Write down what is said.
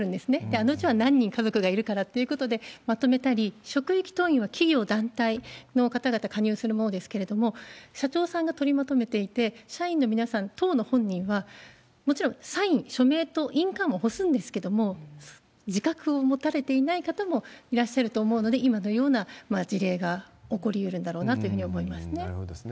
あのうちは何人家族がいるからということでまとめたり、職域党員は企業、団体の方々、加入するものですけれども、社長さんが取りまとめていて、社員の皆さん、当の本人は、もちろんサイン、署名と印鑑は押すんですけれども、自覚を持たれていない方もいらっしゃると思うので、今のような事例が起こりうるんだろうなと思いますね。